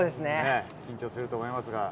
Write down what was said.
緊張すると思いますが。